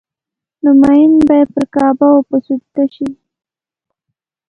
نو مين به پر کعبه او په سجده شي